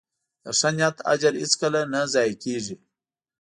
د ښه نیت اجر هیڅکله نه ضایع کېږي.